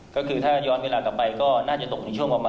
เด็กหายว่าไหนครับ